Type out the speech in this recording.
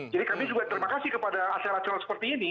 jadi kami juga terima kasih kepada asal asal seperti ini